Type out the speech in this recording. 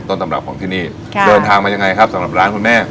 ตำรับของที่นี่เดินทางมายังไงครับสำหรับร้านคุณแม่